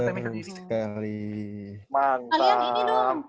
mantap kalian ini dong